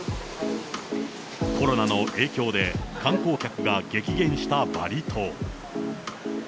コロナの影響で観光客が激減したバリ島。